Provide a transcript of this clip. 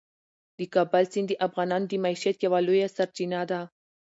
د کابل سیند د افغانانو د معیشت یوه لویه سرچینه ده.